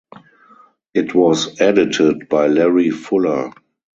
It was edited by Larry Fuller.